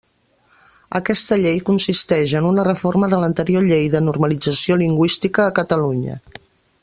Aquesta llei consisteix en una reforma de l'anterior Llei de Normalització Lingüística a Catalunya.